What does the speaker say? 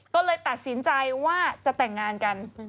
ก็เลยตัดสินใจว่าจะแต่งงานกัน